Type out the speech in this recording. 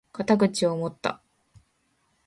肩口を持った！